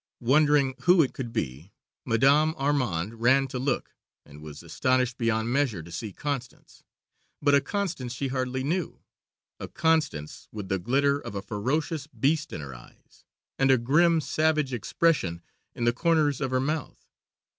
Wondering who it could be, Madame Armande ran to look, and was astonished beyond measure to see Constance but a Constance she hardly knew a Constance with the glitter of a ferocious beast in her eyes, and a grim, savage expression in the corners of her mouth.